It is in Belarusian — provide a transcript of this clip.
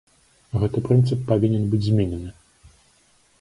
Гэты прынцып павінен быць зменены.